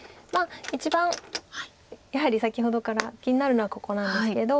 一番やはり先ほどから気になるのはここなんですけど。